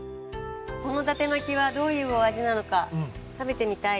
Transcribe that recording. この伊達巻はどういうお味なのか食べてみたい。